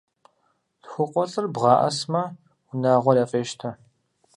ЛъхукъуэлӀыр бгъаӀэсмэ, унагъуэр яфӀещтэ.